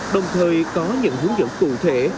đồng thời có những hướng dẫn cụ thể